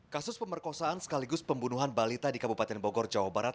kasus pemerkosaan sekaligus pembunuhan balita di kabupaten bogor jawa barat